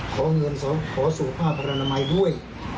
ขอเงินขอสูตรภาพรรณมากด้วย